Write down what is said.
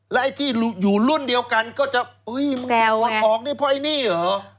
ไอ้ที่อยู่รุ่นเดียวกันก็จะอดออกนี่เพราะไอ้นี่เหรอ